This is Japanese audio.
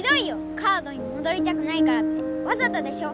カードにもどりたくないからってわざとでしょ。